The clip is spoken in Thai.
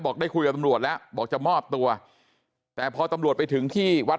ได้คุยกับตำรวจแล้วบอกจะมอบตัวแต่พอตำรวจไปถึงที่วัด